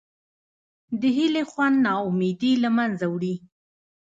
د هیلې خوند نا امیدي له منځه وړي.